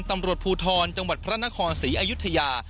ตำรวจภูทรจังหวัดพระนครศรีอยุธยา